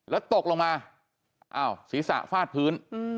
แล้วตกลงมาอ้าวศีรษะฟาดพื้น